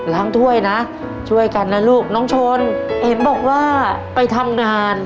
ถ้วยนะช่วยกันนะลูกน้องชนเห็นบอกว่าไปทำงาน